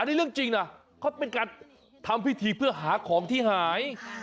นี่เรื่องจริงนะเขาเป็นการทำพิธีเพื่อหาของที่หาย